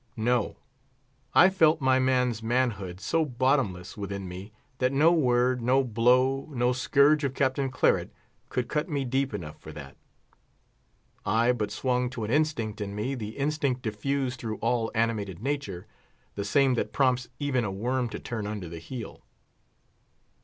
No, I felt my man's manhood so bottomless within me, that no word, no blow, no scourge of Captain Claret could cut me deep enough for that. I but swung to an instinct in me—the instinct diffused through all animated nature, the same that prompts even a worm to turn under the heel.